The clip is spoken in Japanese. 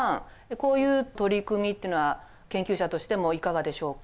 こういう取り組みっていうのは研究者としてもいかがでしょうか？